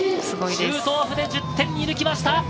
シュートオフで１０点射抜きました。